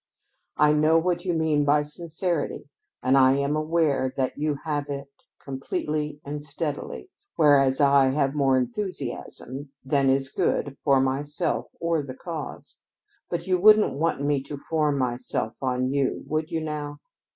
I know what you mean by sincerity, and I am aware that you have it completely and steadily, whereas I have more enthusiasm than is good either for myself or the cause. But you wouldn't want me to form myself on you, would you now?